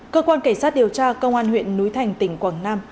cơ quan cảnh sát điều tra công an huyện núi thành tỉnh quảng nam